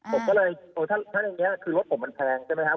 ผมก็เลยถ้าในนี้คือรถผมมันแพงใช่ไหมครับ